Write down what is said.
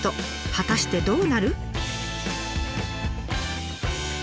果たしてどうなる？